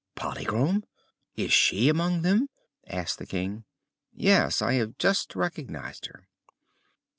"Polychrome! Is she among them?" asked the King. "Yes; I have just recognized her."